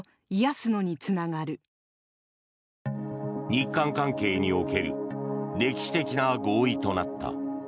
日韓関係における歴史的な合意となった。